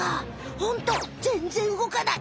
ホントぜんぜん動かない。